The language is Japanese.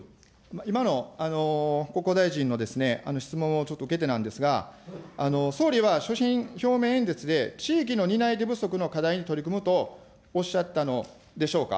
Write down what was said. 今の国交大臣のですね、質問をちょっと受けてなんですが、総理は所信表明演説で、地域の担い手不足の課題に取り組むとおっしゃったのでしょうか。